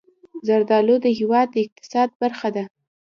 زردالو د هېواد د اقتصاد برخه ده.